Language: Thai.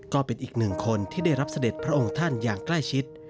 ก็เป็นอีกหนึ่งคนที่ได้รับเสด็จพระองค์ท่านอย่างใกล้ชิด